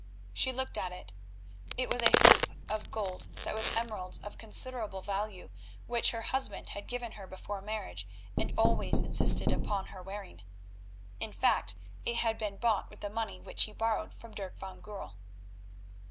She looked at it. It was a hoop of gold set with emeralds of considerable value which her husband had given her before marriage and always insisted upon her wearing. In fact, it had been bought with the money which he borrowed from Dirk van Goorl.